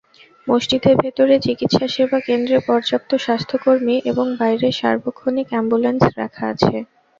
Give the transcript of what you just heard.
মসজিদের ভেতরে চিকিৎসাসেবা কেন্দ্রে পর্যাপ্ত স্বাস্থ্যকর্মী এবং বাইরে সার্বক্ষণিক অ্যাম্বুলেন্স রাখা আছে।